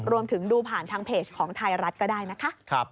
รวมถึงดูผ่านทางเพจของไทยรัฐก็ได้นะคะ